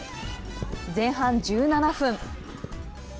前半１７分。